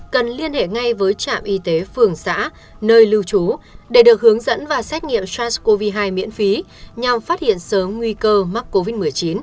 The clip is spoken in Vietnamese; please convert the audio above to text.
cần liên hệ ngay với trạm y tế phường xã nơi lưu trú để được hướng dẫn và xét nghiệm sars cov hai miễn phí nhằm phát hiện sớm nguy cơ mắc covid một mươi chín